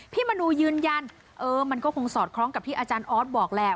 มนูยืนยันเออมันก็คงสอดคล้องกับที่อาจารย์ออสบอกแหละ